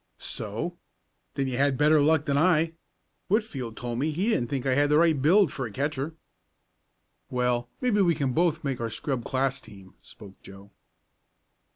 "So? Then you had better luck than I. Whitfield told me he didn't think I had the right build for a catcher." "Well, maybe we can both make our scrub class team," spoke Joe.